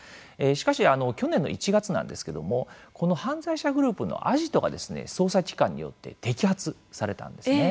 しかし去年の１月なんですけどもこの犯罪者グループのアジトが捜査機関によって摘発されたんですね。